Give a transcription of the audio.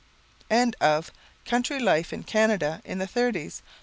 Canniff Haight: "Country Life in Canada in the 'Thirties'."